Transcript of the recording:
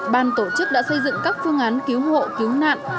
ban tổ chức đã xây dựng các phương án cứu hộ cứu nạn